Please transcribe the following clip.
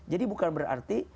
jadi bukan berarti